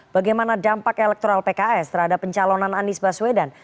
bagaimana dampak elektoral pks terhadap pencalonan anies baswedan